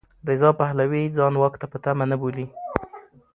رضا پهلوي ځان واک ته په تمه نه بولي.